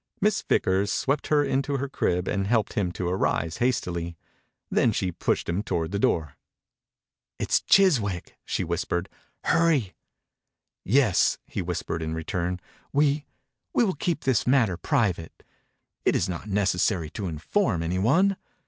Miss Vickers swept her into her crib and helped him to arise hastily. Then she pushed him toward the door. "It is Chiswick !" she whis pered. "Hurry!" 63 THE INCUBATOR BABY « Yes !he whispered in return. «We — we will keep this mat ter private? It is not necessary to inform any one."